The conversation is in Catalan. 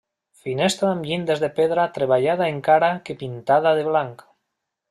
Finestra amb llindes de pedra treballada encara que pintada de blanc.